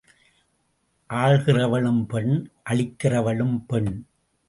ஆள்கிறவளும் பெண் அழிக்கிறவளும் பெண்.